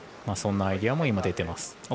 そんなアイデアも今出ています。